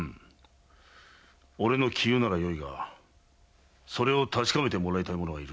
俺の杞憂ならよいがそれを確かめてもらいたい者がいる。